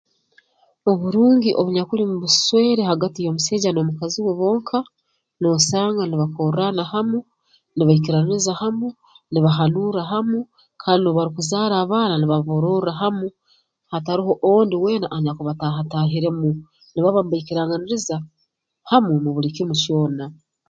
Oburungi obunyakuli mu buswere hagati y'omusaija n'omukazi we bonka noosanga nibakorraana hamu nibaikirraaniza hamu nibahanuura hamu kandi n'obu barukuzaara abaana nibaboororra hamu hataroho ondi weena anyakubatahataahiremu nibaba mbaikaranganiriza hamu mu buli kimu kyona